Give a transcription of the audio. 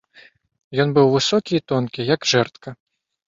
Ён быў высокі і тонкі, як жэрдка.